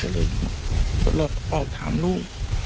ก็เลยออกถามลูก